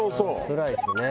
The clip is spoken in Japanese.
スライスね。